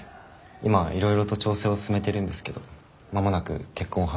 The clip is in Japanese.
今いろいろと調整を進めてるんですけど間もなく結婚を発表するつもりです。